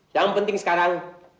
yang penting sekarang